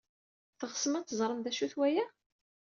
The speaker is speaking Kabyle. Teɣsem ad teẓrem d acu-t waya?